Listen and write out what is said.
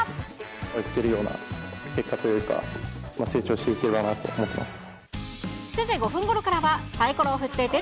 追いつけるような結果というか、成長していければなと思っています。